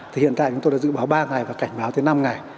thì hiện tại chúng tôi đã dự báo ba ngày và cảnh báo tới năm ngày